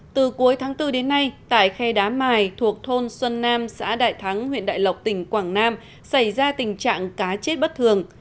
từ cuối tháng bốn đến nay tại khe đá mài thuộc thôn xuân nam xã đại thắng huyện đại lộc tỉnh quảng nam xảy ra tình trạng cá chết bất thường